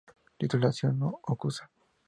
Titulación no acuosa.